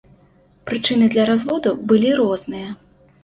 Прычыны для разводу былі розныя.